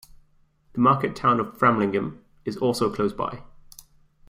The market town of Framlingham is also close by.